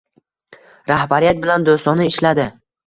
Rahbariyat bilan do‘stona ishladi.